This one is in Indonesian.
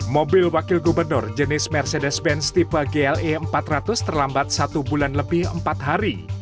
mobil wakil gubernur jenis mercedes benz tipe gle empat ratus terlambat satu bulan lebih empat hari